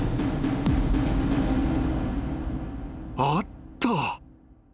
［あった］